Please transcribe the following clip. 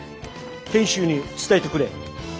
賢秀に伝えてくれ。